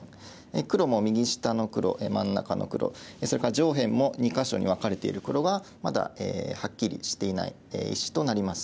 黒も右下の黒真ん中の黒それから上辺も２か所に分かれている黒がまだはっきりしていない石となります。